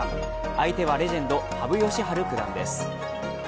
相手はレジェンド羽生善治九段です。